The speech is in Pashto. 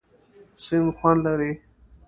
سیند خوند لري.